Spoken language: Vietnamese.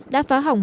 đã phá hỏng